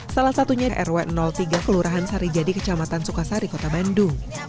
salah satunya rw tiga kelurahan sarijadi kecamatan sukasari kota bandung